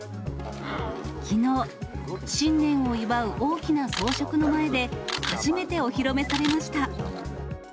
きのう、新年を祝う大きな装飾の前で、初めてお披露目されました。